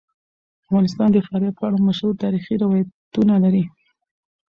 افغانستان د فاریاب په اړه مشهور تاریخی روایتونه لري.